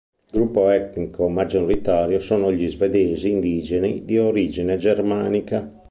Il gruppo etnico maggioritario sono gli Svedesi indigeni di origine germanica.